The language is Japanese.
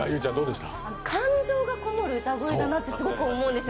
感情がこもる歌声だなってすごく思うんです。